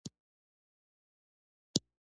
افغانستان د ژمی په اړه مشهور تاریخی روایتونه لري.